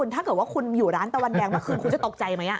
ถ้าเกิดว่าคุณอยู่ร้านตะวันแดงเมื่อคืนคุณจะตกใจไหม